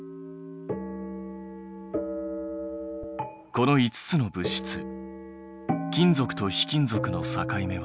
この５つの物質金属と非金属の境目はどこ？